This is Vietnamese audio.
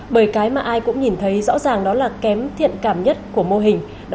bởi cái mà ai cũng nhìn thấy rõ ràng đó là kém thiện cảm nhất của mô hình